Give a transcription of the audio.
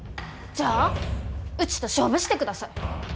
じゃあうちと勝負してください。